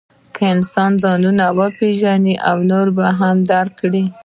که انسان ځان وپېژني، نو نور به هم درک کړي.